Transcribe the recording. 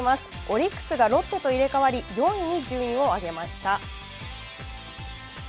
オリックスがロッテと入れ代わり４位に順位を上げました。